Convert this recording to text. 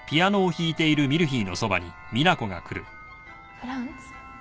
フランツ。